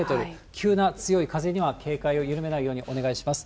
急な強い風には警戒を緩めないようにお願いします。